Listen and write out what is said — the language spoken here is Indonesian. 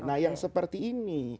nah yang seperti ini